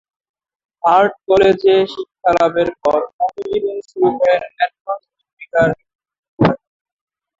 Art কলেজে শিক্ষালাভের পর কর্মজীবন শুরু করেন 'অ্যাডভান্স' পত্রিকার বিজ্ঞাপন বিভাগে।